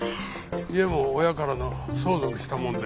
家も親からのを相続したもので。